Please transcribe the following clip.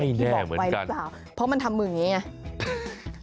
ที่บอกไว้หรือเปล่าเพราะมันทำมืออย่างนี้ไง